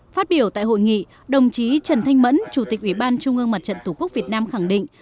phát biểu tại hội nghị đồng chí trần thanh mẫn chủ tịch ubnd tp hà nội khẳng định